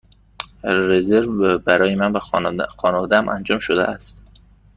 رزرو برای من و خانواده ام انجام شده است.